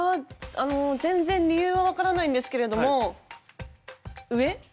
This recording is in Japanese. あの全然理由は分からないんですけれども上？